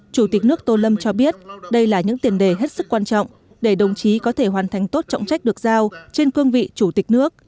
chủ tịch nước tô lâm cho biết đây là những tiền đề hết sức quan trọng để đồng chí có thể hoàn thành tốt trọng trách được giao trên cương vị chủ tịch nước